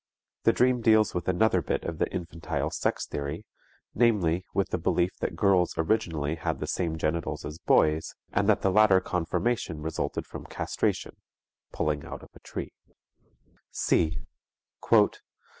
The dream deals with another bit of the infantile sex theory, namely, with the belief that girls originally had the same genitals as boys and that the later conformation resulted from castration (pulling out of a tree). (c).